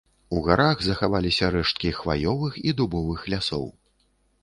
У гарах захаваліся рэшткі хваёвых і дубовых лясоў.